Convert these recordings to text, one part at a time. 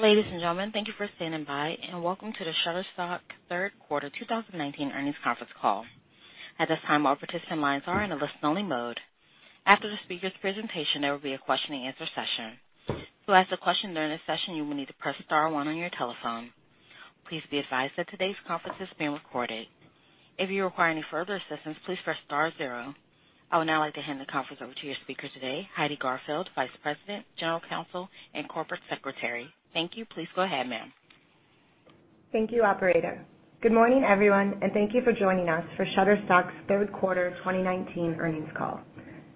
Ladies and gentlemen, thank you for standing by, and welcome to the Shutterstock Third Quarter 2019 Earnings Conference Call. At this time, all participant lines are in a listen-only mode. After the speakers' presentation, there will be a question-and-answer session. To ask a question during this session, you will need to press star one on your telephone. Please be advised that today's conference is being recorded. If you require any further assistance, please press star zero. I would now like to hand the conference over to your speaker today, Heidi Garfield, Vice President, General Counsel, and Corporate Secretary. Thank you. Please go ahead, ma'am. Thank you, Operator. Good morning, everyone, and thank you for joining us for Shutterstock's Third Quarter 2019 Earnings Call.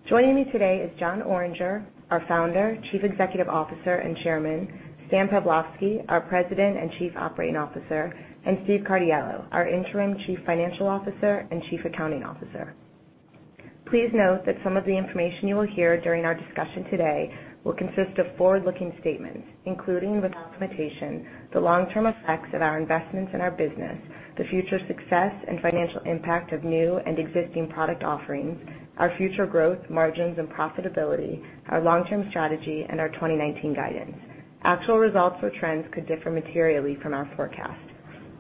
Joining me today is Jon Oringer, our Founder, Chief Executive Officer, and Chairman, Stan Pavlovsky, our President and Chief Operating Officer, and Steve Ciardiello, our interim Chief Financial Officer and Chief Accounting Officer. Please note that some of the information you will hear during our discussion today will consist of forward-looking statements, including, without limitation, the long-term effects of our investments in our business, the future success and financial impact of new and existing product offerings, our future growth, margins, and profitability, our long-term strategy, and our 2019 guidance. Actual results or trends could differ materially from our forecast.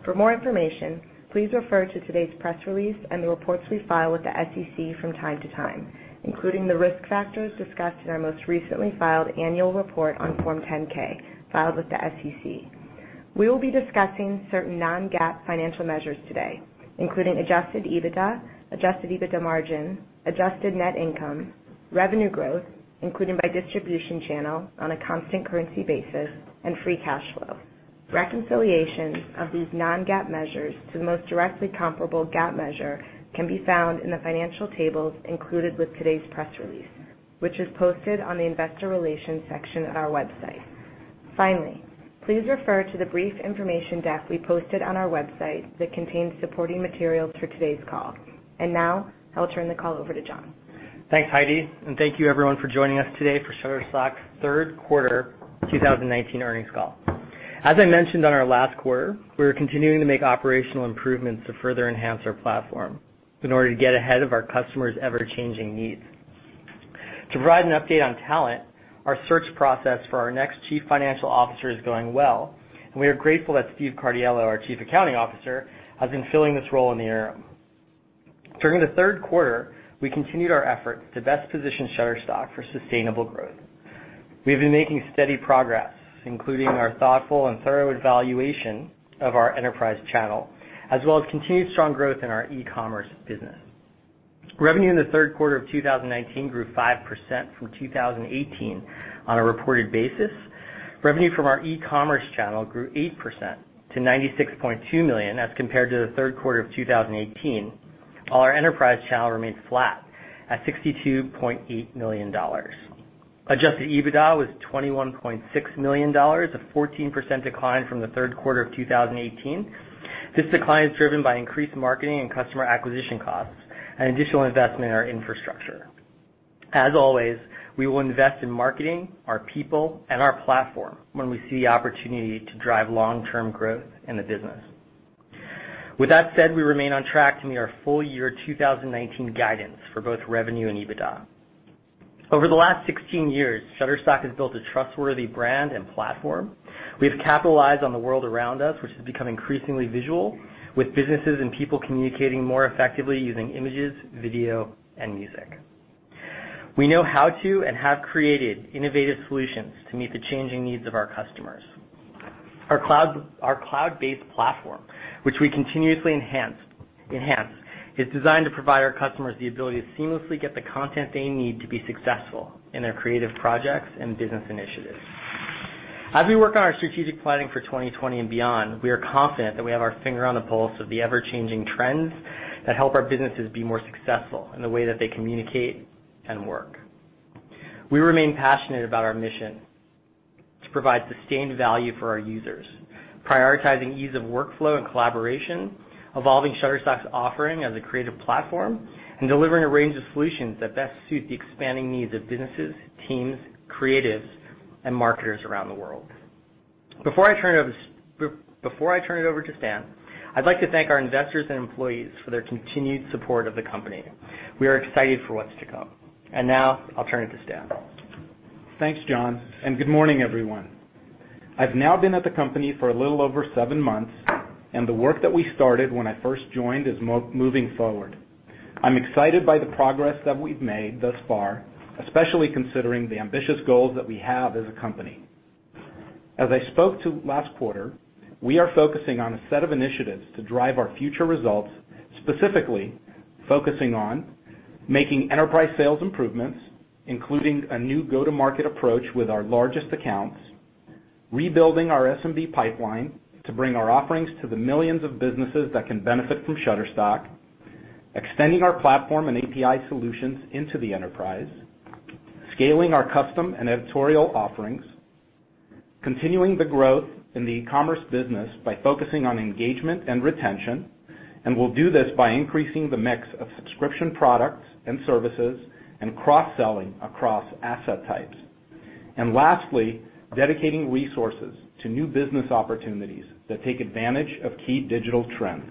For more information, please refer to today's press release and the reports we file with the SEC from time to time, including the risk factors discussed in our most recently filed annual report on Form 10-K, filed with the SEC. We will be discussing certain non-GAAP financial measures today, including adjusted EBITDA, adjusted EBITDA margin, adjusted net income, revenue growth, including by distribution channel on a constant currency basis, and free cash flow. Reconciliations of these non-GAAP measures to the most directly comparable GAAP measure can be found in the financial tables included with today's press release, which is posted on the investor relations section of our website. Finally, please refer to the brief information deck we posted on our website that contains supporting materials for today's call. Now I'll turn the call over to Jon. Thanks, Heidi. Thank you, everyone, for joining us today for Shutterstock's third quarter 2019 earnings call. As I mentioned on our last quarter, we are continuing to make operational improvements to further enhance our platform in order to get ahead of our customers' ever-changing needs. To provide an update on talent, our search process for our next Chief Financial Officer is going well, and we are grateful that Steve Ciardiello, our Chief Accounting Officer, has been filling this role in the interim. During the third quarter, we continued our efforts to best position Shutterstock for sustainable growth. We've been making steady progress, including our thoughtful and thorough evaluation of our enterprise channel, as well as continued strong growth in our e-commerce business. Revenue in the third quarter of 2019 grew 5% from 2018 on a reported basis. Revenue from our e-commerce channel grew 8% to $96.2 million as compared to the third quarter of 2018, while our enterprise channel remained flat at $62.8 million. adjusted EBITDA was $21.6 million, a 14% decline from the third quarter of 2018. This decline is driven by increased marketing and customer acquisition costs and additional investment in our infrastructure. As always, we will invest in marketing, our people, and our platform when we see the opportunity to drive long-term growth in the business. With that said, we remain on track to meet our full year 2019 guidance for both revenue and EBITDA. Over the last 16 years, Shutterstock has built a trustworthy brand and platform. We've capitalized on the world around us, which has become increasingly visual, with businesses and people communicating more effectively using images, video, and music. We know how to and have created innovative solutions to meet the changing needs of our customers. Our cloud-based platform, which we continuously enhance, is designed to provide our customers the ability to seamlessly get the content they need to be successful in their creative projects and business initiatives. As we work on our strategic planning for 2020 and beyond, we are confident that we have our finger on the pulse of the ever-changing trends that help our businesses be more successful in the way that they communicate and work. We remain passionate about our mission to provide sustained value for our users, prioritizing ease of workflow and collaboration, evolving Shutterstock's offering as a creative platform, and delivering a range of solutions that best suit the expanding needs of businesses, teams, creatives, and marketers around the world. Before I turn it over to Stan, I'd like to thank our investors and employees for their continued support of the company. We are excited for what's to come. Now I'll turn it to Stan. Thanks, Jon, and good morning, everyone. I've now been at the company for a little over seven months, and the work that we started when I first joined is moving forward. I'm excited by the progress that we've made thus far, especially considering the ambitious goals that we have as a company. As I spoke to last quarter, we are focusing on a set of initiatives to drive our future results, specifically focusing on making enterprise sales improvements, including a new go-to-market approach with our largest accounts, rebuilding our SMB pipeline to bring our offerings to the millions of businesses that can benefit from Shutterstock, extending our platform and API solutions into the enterprise, scaling our Shutterstock Custom and editorial offerings, continuing the growth in the e-commerce business by focusing on engagement and retention, and we'll do this by increasing the mix of subscription products and services and cross-selling across asset types. Lastly, dedicating resources to new business opportunities that take advantage of key digital trends.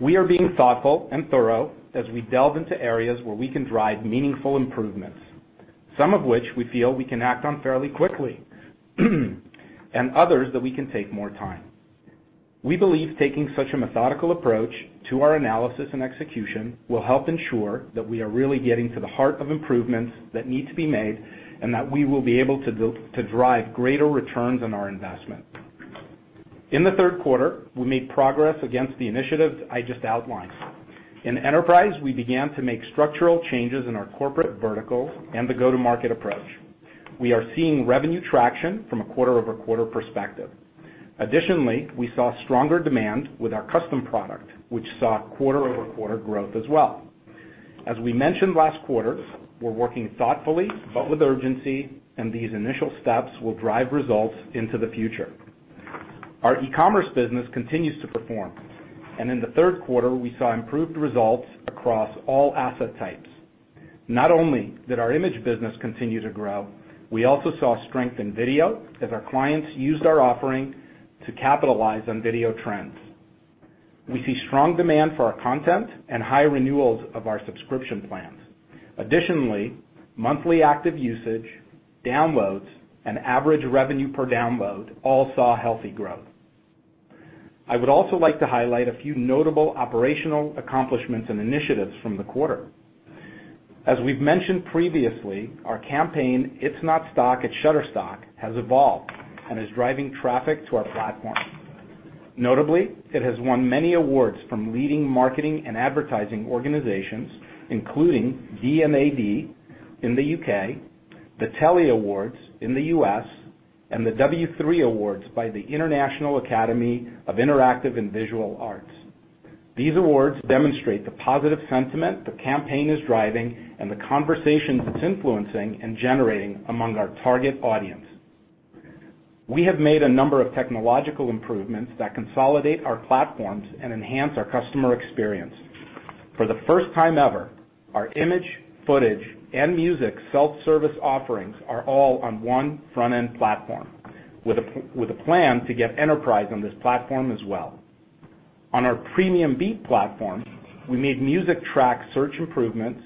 We are being thoughtful and thorough as we delve into areas where we can drive meaningful improvements, some of which we feel we can act on fairly quickly, and others that we can take more time. We believe taking such a methodical approach to our analysis and execution will help ensure that we are really getting to the heart of improvements that need to be made, and that we will be able to drive greater returns on our investment. In the third quarter, we made progress against the initiatives I just outlined. In enterprise, we began to make structural changes in our corporate verticals and the go-to-market approach. We are seeing revenue traction from a quarter-over-quarter perspective. Additionally, we saw stronger demand with our Custom product, which saw quarter-over-quarter growth as well. As we mentioned last quarter, we're working thoughtfully but with urgency, and these initial steps will drive results into the future. Our e-commerce business continues to perform, and in the third quarter, we saw improved results across all asset types. Not only did our image business continue to grow, we also saw strength in video as our clients used our offering to capitalize on video trends. We see strong demand for our content and high renewals of our subscription plans. Additionally, monthly active usage, downloads, and average revenue per download all saw healthy growth. I would also like to highlight a few notable operational accomplishments and initiatives from the quarter. As we've mentioned previously, our campaign, It's Not Stock, It's Shutterstock, has evolved and is driving traffic to our platform. Notably, it has won many awards from leading marketing and advertising organizations, including D&AD in the U.K., the Telly Awards in the U.S., and the W3 Awards by the Academy of Interactive and Visual Arts. These awards demonstrate the positive sentiment the campaign is driving and the conversations it's influencing and generating among our target audience. We have made a number of technological improvements that consolidate our platforms and enhance our customer experience. For the first time ever, our image, footage, and music self-service offerings are all on one front-end platform, with a plan to get enterprise on this platform as well. On our PremiumBeat platform, we made music track search improvements,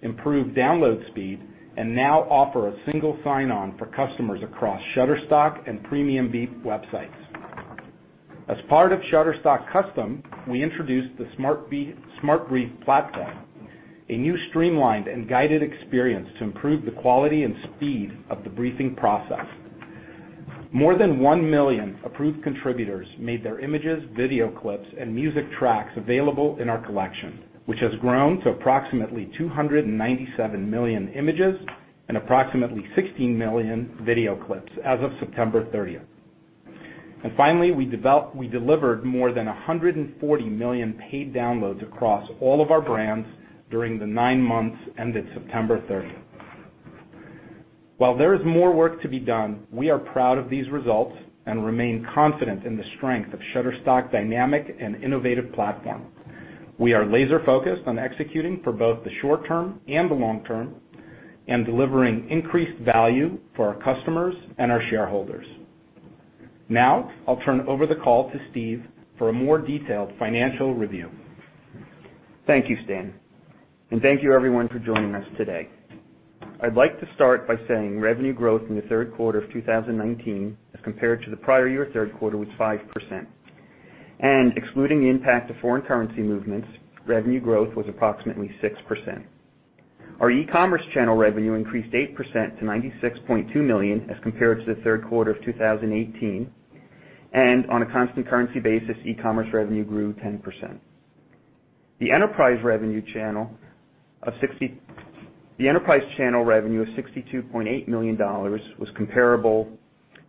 improved download speed, and now offer a single sign-on for customers across Shutterstock and PremiumBeat websites. As part of Shutterstock Custom, we introduced the SmartBrief platform, a new streamlined and guided experience to improve the quality and speed of the briefing process. More than 1 million approved contributors made their images, video clips, and music tracks available in our collection, which has grown to approximately 297 million images and approximately 16 million video clips as of September 30th. Finally, we delivered more than 140 million paid downloads across all of our brands during the nine months ended September 30th. While there is more work to be done, we are proud of these results and remain confident in the strength of Shutterstock's dynamic and innovative platform. We are laser-focused on executing for both the short term and the long term, and delivering increased value for our customers and our shareholders. Now, I'll turn over the call to Steve for a more detailed financial review. Thank you, Stan. Thank you, everyone, for joining us today. I'd like to start by saying revenue growth in the third quarter of 2019 as compared to the prior year third quarter was 5%. Excluding the impact of foreign currency movements, revenue growth was approximately 6%. Our e-commerce channel revenue increased 8% to $96.2 million as compared to the third quarter of 2018. On a constant currency basis, e-commerce revenue grew 10%. The enterprise channel revenue of $62.8 million was comparable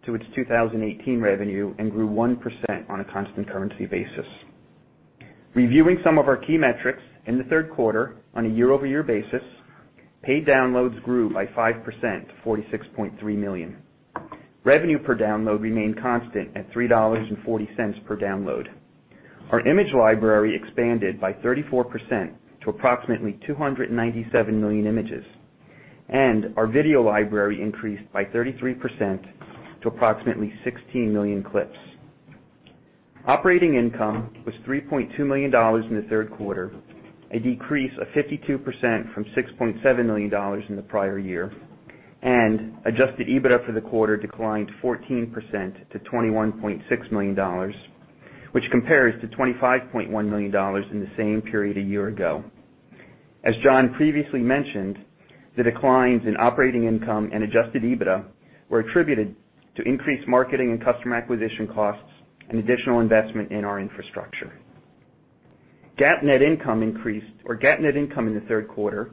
to its 2018 revenue and grew 1% on a constant currency basis. Reviewing some of our key metrics in the third quarter on a year-over-year basis, paid downloads grew by 5%, to 46.3 million. Revenue per download remained constant at $3.40 per download. Our image library expanded by 34% to approximately 297 million images, and our video library increased by 33% to approximately 16 million clips. Operating income was $3.2 million in the third quarter, a decrease of 52% from $6.7 million in the prior year. Adjusted EBITDA for the quarter declined 14% to $21.6 million, which compares to $25.1 million in the same period a year ago. As Jon previously mentioned, the declines in operating income and adjusted EBITDA were attributed to increased marketing and customer acquisition costs and additional investment in our infrastructure. GAAP net income in the third quarter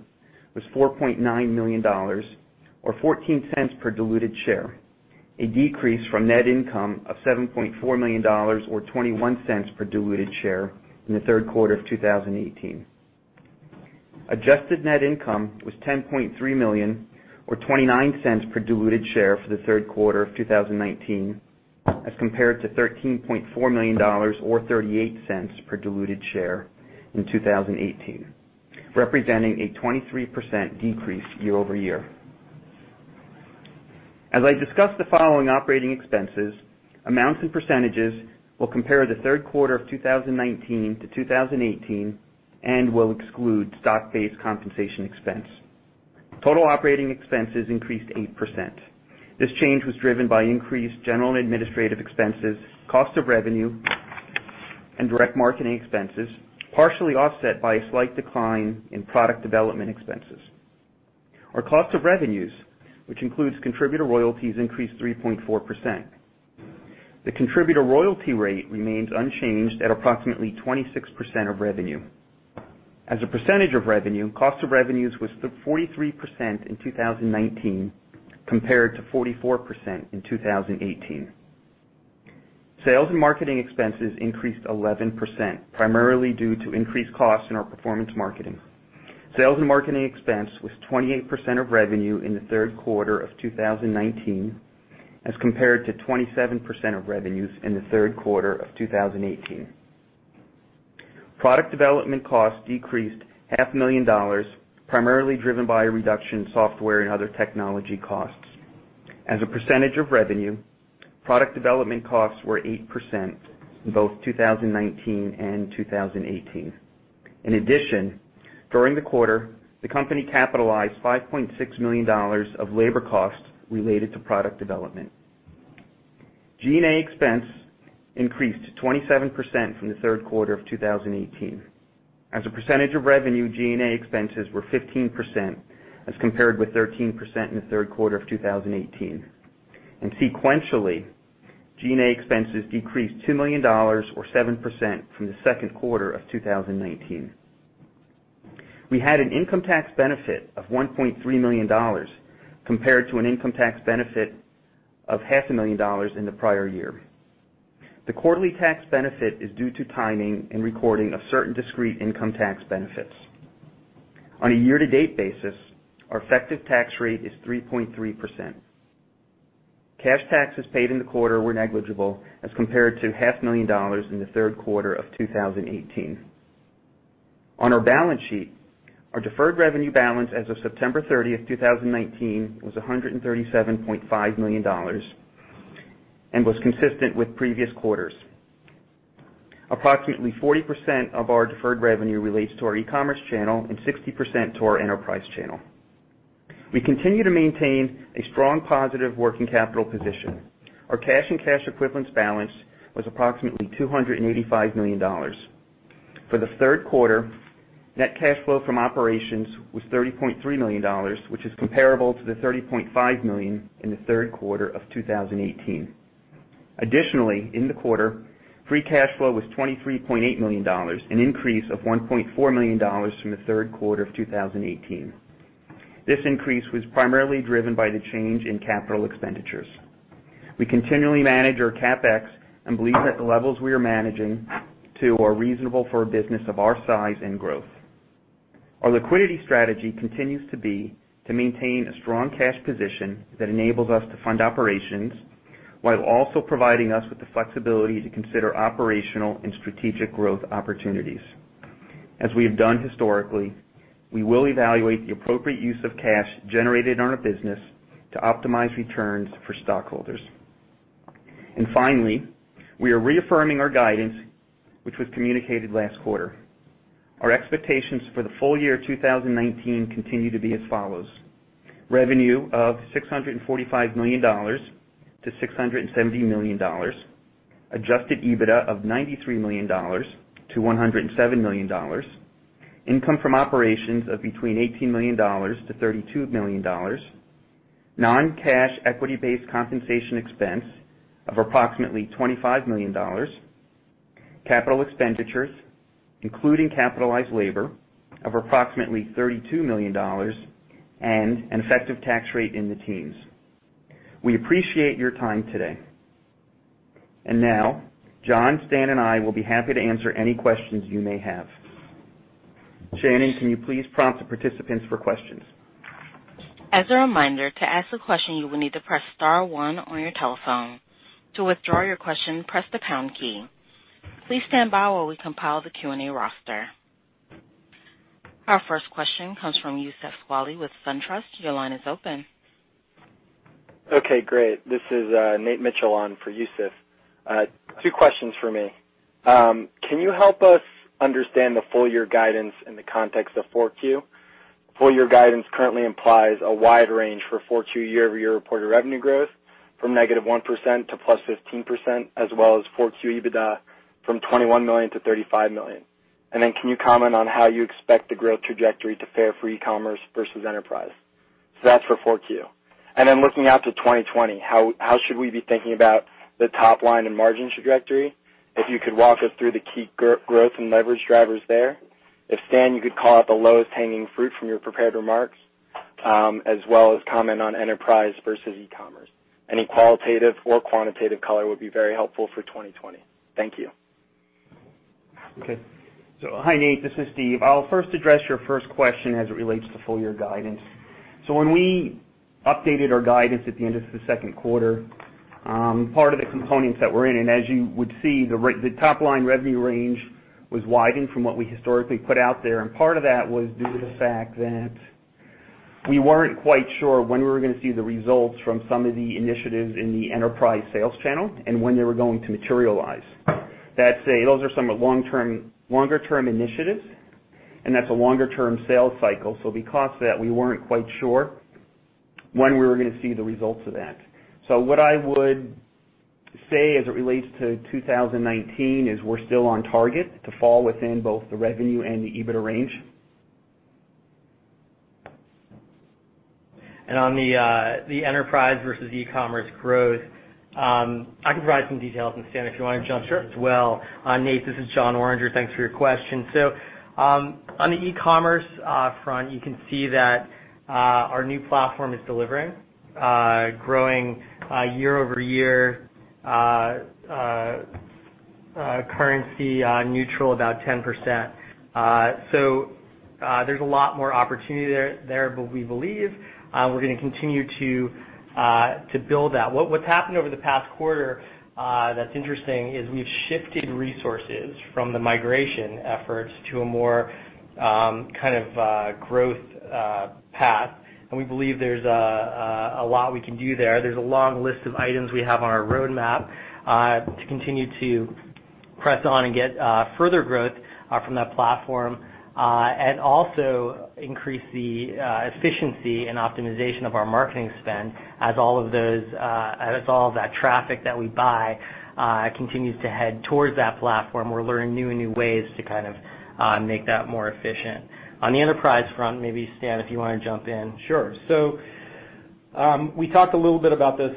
was $4.9 million, or $0.14 per diluted share, a decrease from net income of $7.4 million or $0.21 per diluted share in the third quarter of 2018. Adjusted net income was $10.3 million, or $0.29 per diluted share for the third quarter of 2019, as compared to $13.4 million or $0.38 per diluted share in 2018, representing a 23% decrease year-over-year. As I discuss the following operating expenses, amounts and percentages will compare the third quarter of 2019 to 2018 and will exclude stock-based compensation expense. Total operating expenses increased 8%. This change was driven by increased general and administrative expenses, cost of revenue, and direct marketing expenses, partially offset by a slight decline in product development expenses. Our cost of revenues, which includes contributor royalties, increased 3.4%. The contributor royalty rate remains unchanged at approximately 26% of revenue. As a percentage of revenue, cost of revenues was 43% in 2019 compared to 44% in 2018. Sales and marketing expenses increased 11%, primarily due to increased costs in our performance marketing. Sales and marketing expense was 28% of revenue in the third quarter of 2019 as compared to 27% of revenues in the third quarter of 2018. Product development costs decreased half a million dollars, primarily driven by a reduction in software and other technology costs. As a percentage of revenue, product development costs were 8% in both 2019 and 2018. During the quarter, the company capitalized $5.6 million of labor costs related to product development. G&A expense increased 27% from the third quarter of 2018. As a percentage of revenue, G&A expenses were 15% as compared with 13% in the third quarter of 2018. Sequentially, G&A expenses decreased $2 million or 7% from the second quarter of 2019. We had an income tax benefit of $1.3 million compared to an income tax benefit of half a million dollars in the prior year. The quarterly tax benefit is due to timing and recording of certain discrete income tax benefits. On a year-to-date basis, our effective tax rate is 3.3%. Cash taxes paid in the quarter were negligible as compared to half a million dollars in the third quarter of 2018. On our balance sheet, our deferred revenue balance as of September 30th, 2019 was $137.5 million and was consistent with previous quarters. Approximately 40% of our deferred revenue relates to our e-commerce channel and 60% to our enterprise channel. We continue to maintain a strong positive working capital position. Our cash and cash equivalents balance was approximately $285 million. For the third quarter, net cash flow from operations was $30.3 million, which is comparable to the $30.5 million in the third quarter of 2018. Additionally, in the quarter, free cash flow was $23.8 million, an increase of $1.4 million from the third quarter of 2018. This increase was primarily driven by the change in capital expenditures. We continually manage our CapEx and believe that the levels we are managing to are reasonable for a business of our size and growth. Our liquidity strategy continues to be to maintain a strong cash position that enables us to fund operations while also providing us with the flexibility to consider operational and strategic growth opportunities. As we have done historically, we will evaluate the appropriate use of cash generated in our business to optimize returns for stockholders. Finally, we are reaffirming our guidance, which was communicated last quarter. Our expectations for the full year 2019 continue to be as follows: Revenue of $645 million-$670 million, adjusted EBITDA of $93 million-$107 million, income from operations of between $18 million-$32 million, non-cash equity-based compensation expense of approximately $25 million, capital expenditures including capitalized labor of approximately $32 million, and an effective tax rate in the teens. We appreciate your time today. Now, Jon, Stan, and I will be happy to answer any questions you may have. Shannon, can you please prompt the participants for questions? As a reminder, to ask a question, you will need to press *1 on your telephone. To withdraw your question, press the # key. Please stand by while we compile the Q&A roster. Our first question comes from Youssef Squali with SunTrust. Your line is open. Okay, great. This is Nate Mitchell on for Youssef. Two questions from me. Can you help us understand the full-year guidance in the context of 4Q? Full-year guidance currently implies a wide range for 4Q year-over-year reported revenue growth from -1% to +15%, as well as 4Q EBITDA from $21 million to $35 million. Can you comment on how you expect the growth trajectory to fare for e-commerce versus enterprise? That's for 4Q. Looking out to 2020, how should we be thinking about the top line and margin trajectory? If you could walk us through the key growth and leverage drivers there. Stan, you could call out the lowest hanging fruit from your prepared remarks, as well as comment on enterprise versus e-commerce. Any qualitative or quantitative color would be very helpful for 2020. Thank you. Okay. Hi Nate, this is Steve. I'll first address your first question as it relates to full year guidance. When we updated our guidance at the end of the second quarter. Part of the components that were in, and as you would see, the top-line revenue range was widened from what we historically put out there. Part of that was due to the fact that we weren't quite sure when we were going to see the results from some of the initiatives in the enterprise sales channel and when they were going to materialize. Those are some longer-term initiatives, and that's a longer-term sales cycle. Because of that, we weren't quite sure when we were going to see the results of that. What I would say as it relates to 2019 is we're still on target to fall within both the revenue and the EBITDA range. On the enterprise versus e-commerce growth, I can provide some details on Stan, if you want to jump as well. Sure. Nate, this is Jon Oringer. Thanks for your question. On the e-commerce front, you can see that our new platform is delivering, growing year-over-year currency neutral about 10%. There's a lot more opportunity there, but we believe we're going to continue to build that. What's happened over the past quarter that's interesting is we've shifted resources from the migration efforts to a more kind of growth path, and we believe there's a lot we can do there. There's a long list of items we have on our roadmap to continue to press on and get further growth from that platform. Also increase the efficiency and optimization of our marketing spend as all of that traffic that we buy continues to head towards that platform. We're learning new and new ways to kind of make that more efficient. On the enterprise front, maybe Stan, if you want to jump in. Sure. We talked a little bit about this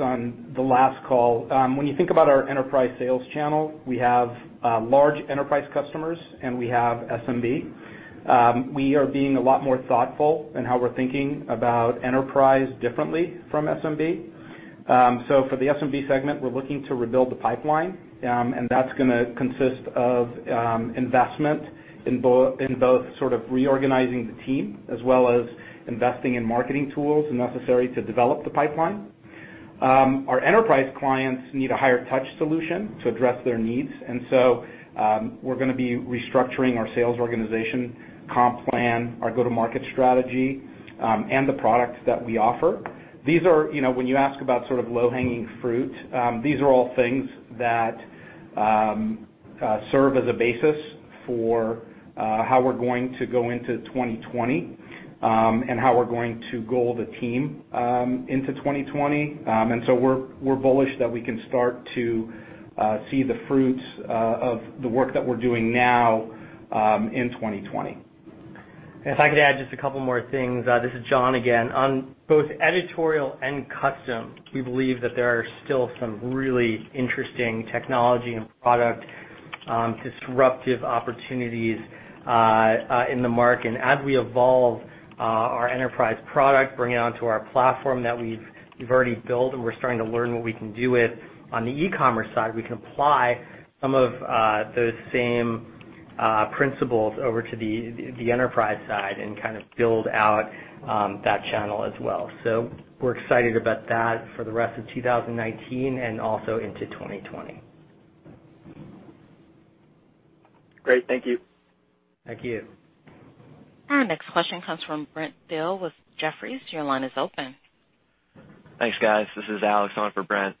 on the last call. When you think about our enterprise sales channel, we have large enterprise customers, and we have SMB. We are being a lot more thoughtful in how we're thinking about enterprise differently from SMB. For the SMB segment, we're looking to rebuild the pipeline, and that's going to consist of investment in both sort of reorganizing the team as well as investing in marketing tools necessary to develop the pipeline. Our enterprise clients need a higher touch solution to address their needs. We're going to be restructuring our sales organization, comp plan, our go-to-market strategy, and the products that we offer. When you ask about sort of low-hanging fruit, these are all things that serve as a basis for how we're going to go into 2020, and how we're going to goal the team into 2020. We're bullish that we can start to see the fruits of the work that we're doing now in 2020. If I could add just a couple more things. This is Jon again. On both editorial and Custom, we believe that there are still some really interesting technology and product disruptive opportunities in the market. As we evolve our enterprise product, bring it onto our platform that we've already built, and we're starting to learn what we can do with on the e-commerce side, we can apply some of those same principles over to the enterprise side and kind of build out that channel as well. We're excited about that for the rest of 2019 and also into 2020. Great. Thank you. Thank you. Our next question comes from Brent Thill with Jefferies. Your line is open. Thanks, guys. This is Alex on for Brent.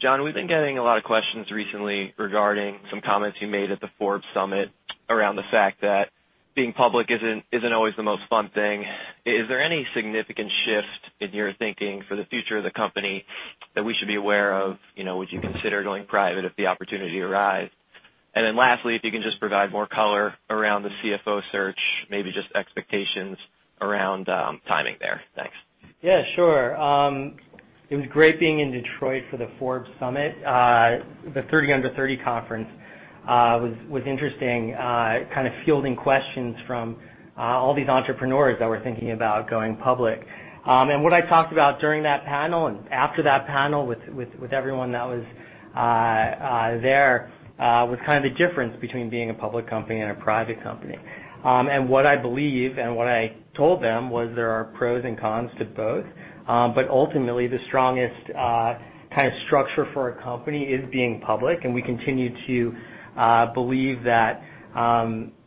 Jon, we've been getting a lot of questions recently regarding some comments you made at the Forbes Summit around the fact that being public isn't always the most fun thing. Is there any significant shift in your thinking for the future of the company that we should be aware of? Would you consider going private if the opportunity arise? Lastly, if you can just provide more color around the CFO search, maybe just expectations around timing there. Thanks. Yeah, sure. It was great being in Detroit for the Forbes Summit. The 30 Under 30 conference was interesting, kind of fielding questions from all these entrepreneurs that were thinking about going public. What I talked about during that panel and after that panel with everyone that was there was kind of the difference between being a public company and a private company. What I believe and what I told them was there are pros and cons to both. Ultimately, the strongest kind of structure for a company is being public, and we continue to believe that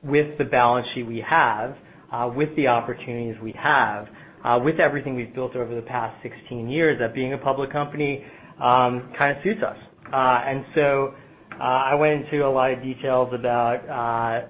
with the balance sheet we have, with the opportunities we have, with everything we've built over the past 16 years, that being a public company kind of suits us. I went into a lot of details about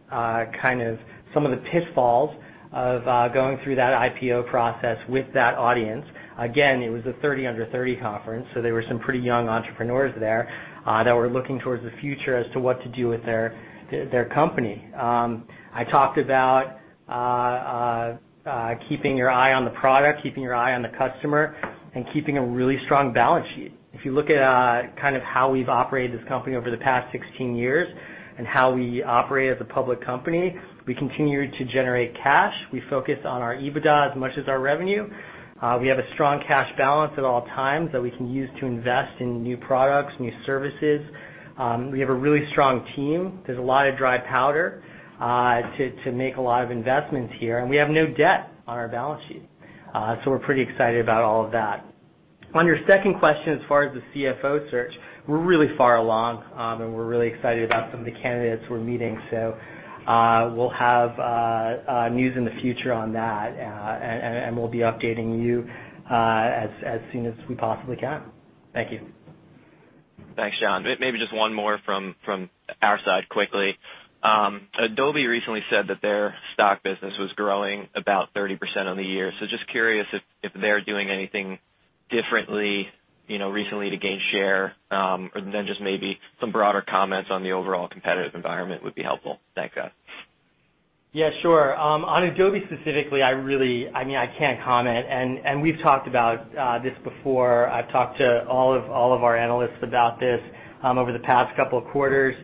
kind of some of the pitfalls of going through that IPO process with that audience. Again, it was a 30 Under 30 conference, so there were some pretty young entrepreneurs there that were looking towards the future as to what to do with their company. I talked about keeping your eye on the product, keeping your eye on the customer, and keeping a really strong balance sheet. If you look at kind of how we've operated this company over the past 16 years and how we operate as a public company, we continue to generate cash. We focus on our EBITDA as much as our revenue. We have a strong cash balance at all times that we can use to invest in new products, new services. We have a really strong team. There's a lot of dry powder to make a lot of investments here, and we have no debt on our balance sheet. We're pretty excited about all of that. On your second question, as far as the CFO search, we're really far along, and we're really excited about some of the candidates we're meeting. We'll have news in the future on that, and we'll be updating you as soon as we possibly can. Thank you. Thanks, Jon. Maybe just one more from our side quickly. Adobe recently said that their stock business was growing about 30% on the year. Just curious if they're doing anything differently recently to gain share, or then just maybe some broader comments on the overall competitive environment would be helpful. Thanks, guys. Yeah, sure. On Adobe specifically, I can't comment, and we've talked about this before. I've talked to all of our analysts about this over the past couple of quarters.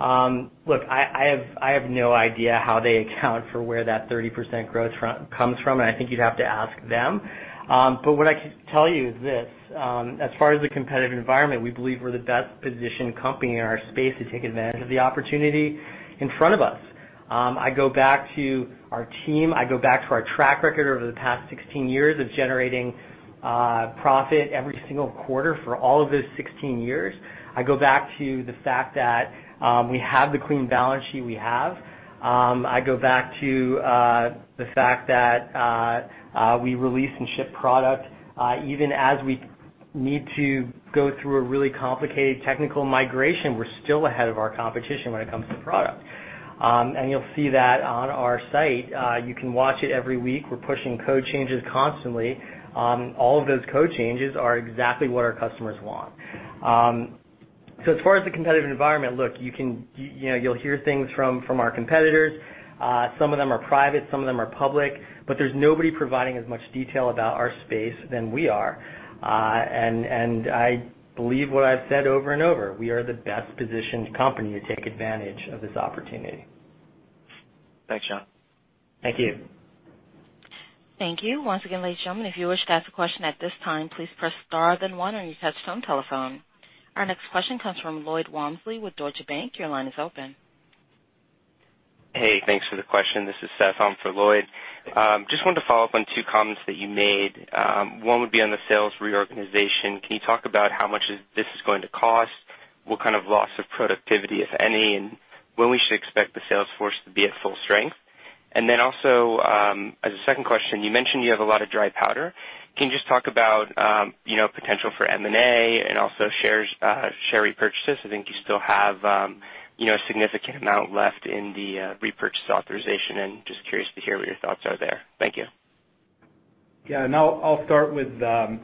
Look, I have no idea how they account for where that 30% growth comes from, and I think you'd have to ask them. What I can tell you is this, as far as the competitive environment, we believe we're the best-positioned company in our space to take advantage of the opportunity in front of us. I go back to our team. I go back to our track record over the past 16 years of generating profit every single quarter for all of those 16 years. I go back to the fact that we have the clean balance sheet we have. I go back to the fact that we release and ship product. Even as we need to go through a really complicated technical migration, we're still ahead of our competition when it comes to product. You'll see that on our site. You can watch it every week. We're pushing code changes constantly. All of those code changes are exactly what our customers want. As far as the competitive environment, look, you'll hear things from our competitors. Some of them are private, some of them are public. There's nobody providing as much detail about our space than we are. I believe what I've said over and over. We are the best-positioned company to take advantage of this opportunity. Thanks, Jon. Thank you. Thank you. Once again, ladies and gentlemen, if you wish to ask a question at this time, please press star then one on your touchtone telephone. Our next question comes from Lloyd Walmsley with Deutsche Bank. Your line is open. Hey, thanks for the question. This is Seth on for Lloyd. Just wanted to follow up on two comments that you made. One would be on the sales reorganization. Can you talk about how much this is going to cost, what kind of loss of productivity, if any, and when we should expect the sales force to be at full strength? Also, as a second question, you mentioned you have a lot of dry powder. Can you just talk about potential for M&A and also share repurchases? I think you still have a significant amount left in the repurchase authorization. Just curious to hear what your thoughts are there. Thank you. Yeah. I'll start with the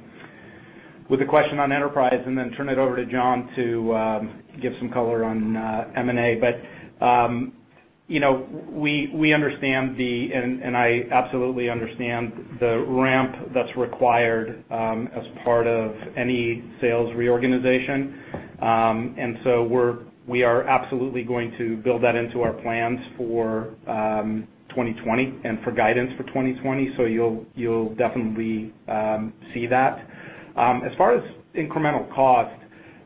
question on enterprise and then turn it over to Jon to give some color on M&A. We understand the, and I absolutely understand the ramp that's required as part of any sales reorganization. We are absolutely going to build that into our plans for 2020 and for guidance for 2020. You'll definitely see that. As far as incremental cost,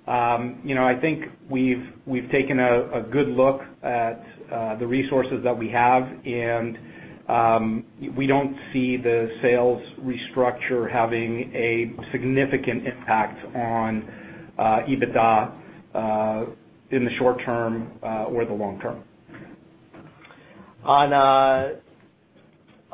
I think we've taken a good look at the resources that we have, and we don't see the sales restructure having a significant impact on EBITDA in the short term or the long term.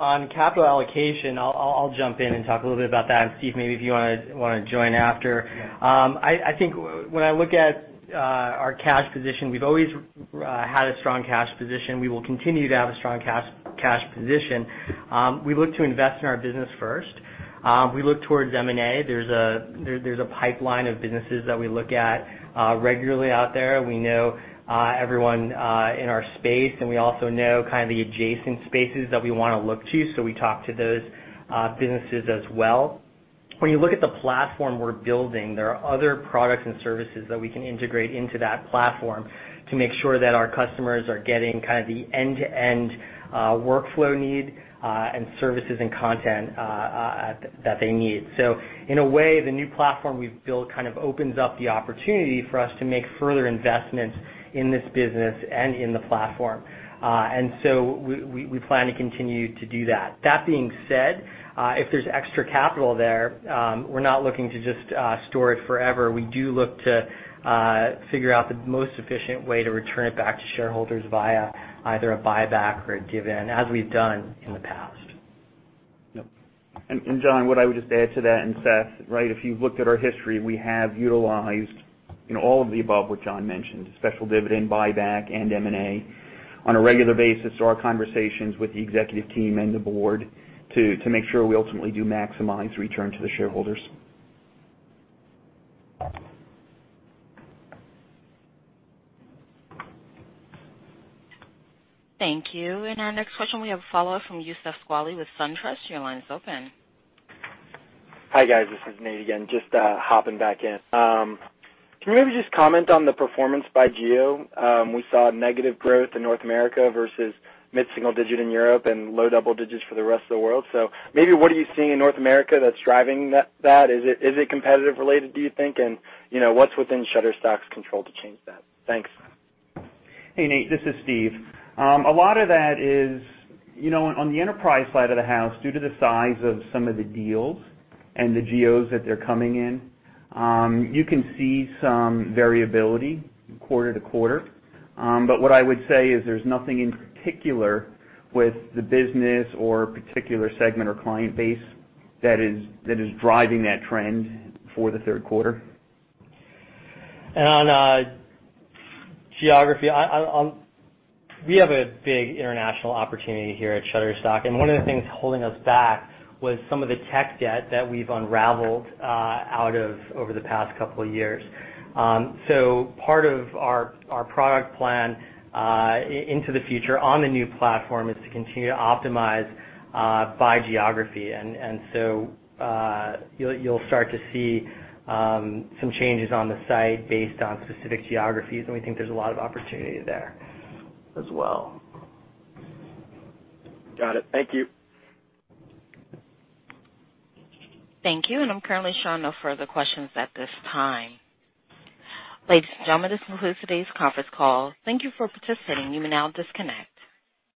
On capital allocation, I'll jump in and talk a little bit about that, and Steve, maybe if you want to join after. Yeah. I think when I look at our cash position, we've always had a strong cash position. We will continue to have a strong cash position. We look to invest in our business first. We look towards M&A. There's a pipeline of businesses that we look at regularly out there. We know everyone in our space, and we also know kind of the adjacent spaces that we want to look to, so we talk to those businesses as well. When you look at the platform we're building, there are other products and services that we can integrate into that platform to make sure that our customers are getting kind of the end-to-end workflow need and services and content that they need. In a way, the new platform we've built kind of opens up the opportunity for us to make further investments in this business and in the platform. We plan to continue to do that. That being said, if there's extra capital there, we're not looking to just store it forever. We do look to figure out the most efficient way to return it back to shareholders via either a buyback or a dividend, as we've done in the past. Yep. Jon, what I would just add to that, and Seth, right, if you've looked at our history, we have utilized all of the above what Jon mentioned, special dividend, buyback, and M&A on a regular basis. Our conversations with the executive team and the board to make sure we ultimately do maximize return to the shareholders. Thank you. Our next question we have a follow-up from Youssef Squali with SunTrust. Your line is open. Hi, guys. This is Nate again, just hopping back in. Can you maybe just comment on the performance by geo? We saw negative growth in North America versus mid-single digit in Europe and low double digits for the rest of the world. Maybe what are you seeing in North America that's driving that? Is it competitive related, do you think? What's within Shutterstock's control to change that? Thanks. Hey, Nate. This is Steve. A lot of that is on the enterprise side of the house, due to the size of some of the deals and the geos that they're coming in, you can see some variability quarter-to-quarter. What I would say is there's nothing in particular with the business or particular segment or client base that is driving that trend for the third quarter. On geography, we have a big international opportunity here at Shutterstock, and one of the things holding us back was some of the tech debt that we've unraveled out of over the past couple of years. Part of our product plan into the future on the new platform is to continue to optimize by geography. You'll start to see some changes on the site based on specific geographies, and we think there's a lot of opportunity there as well. Got it. Thank you. Thank you. I'm currently showing no further questions at this time. Ladies and gentlemen, this concludes today's conference call. Thank you for participating. You may now disconnect.